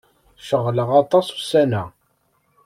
Ceɣleɣ aṭas ussan-a.